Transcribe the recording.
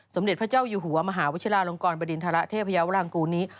สมเด็จพระเจ้าอยู่หัวมหาวิชิลาลงกรบริณฑระเทพยาวรางกูลนี้